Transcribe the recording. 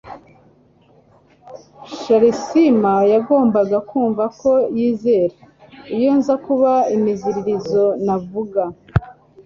charisma yagombaga kumva ko yizera. iyo nza kuba imiziririzo navuga